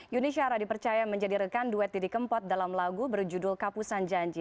yuni syara dipercaya menjadi rekan duet didi kempot dalam lagu berjudul kapusan janji